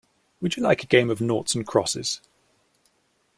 Would you like a game of noughts and crosses?